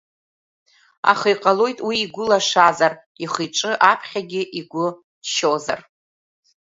Аха иҟалоит уи игәы лашазар, ихы-иҿы аԥхьагьы игәы ччозар.